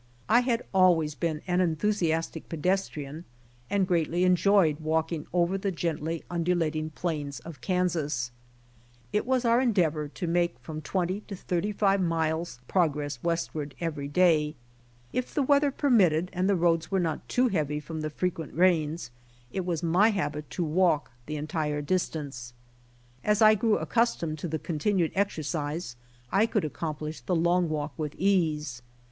I had always been an enthusiastic pedestrian and greatly enjoyed walking over the gently undulating plains of Kansas. It was our en deavor to make from twenty to thirty five miles' pro MARCHING ON FOOT, 13 gress westward every day. If the weather permitted and the roads were not too hea, vy from the frequent rains, it was my habit to walk the entire distance. As I grew accustomed to the continued exercise, I could accomplish the long walk with ease.